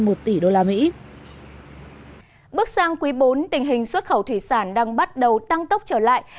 bước sang quý bốn tình hình xuất khẩu thủy sản đang bắt đầu tăng tốc trở lại